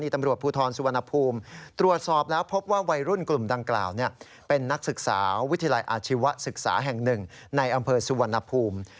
ตรวจสอบแล้วพบว่าวัยรุ่นกลุ่มดังกล่าวเป็นนักศึกษาวิทยาลัยอาชีวศ์ศึกษาแห่งหนึ่งในอำเภอสุวรรณภูมิ